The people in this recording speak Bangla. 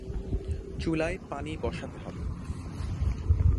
চুলায় পানি বসাতে হবে।